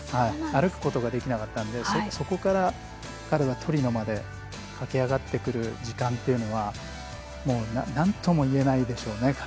歩くこともできなかったのでそこから彼がトリノまで駆け上がってくる時間というのはなんともいえないでしょうね